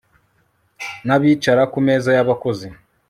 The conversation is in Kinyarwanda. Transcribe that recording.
nabicara ku meza yabakozi